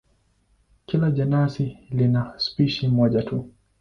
Kila jenasi ina spishi moja tu.